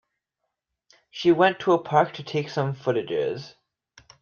She went to a park to take some footages.